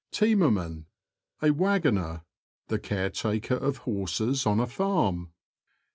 Teamerman. — A waggoner. The caretaker of horses on a farm.